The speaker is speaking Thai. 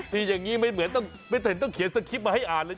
อย่างนี้ไม่เหมือนไม่เห็นต้องเขียนสคริปต์มาให้อ่านเลย